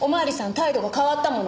態度が変わったもの。